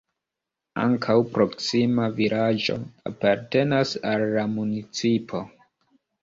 Ankaŭ proksima vilaĝo apartenas al la municipo.